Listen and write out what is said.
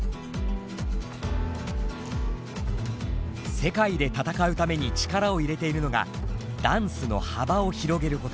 世界で戦うために力を入れているのがダンスの幅を広げることです。